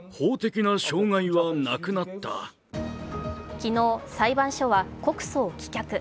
昨日裁判所は告訴を棄却。